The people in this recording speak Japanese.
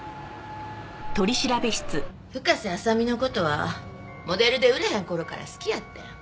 深瀬麻未の事はモデルで売れへん頃から好きやってん。